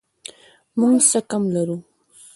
موږ څه کم لرو